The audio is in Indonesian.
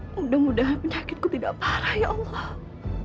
mudah mudahan penyakitku tidak parah ya allah